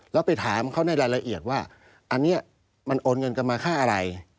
แล้วไปถามเขาในรายละเอียดว่าอันนี้มันโอนเงินกันมาค่าอะไร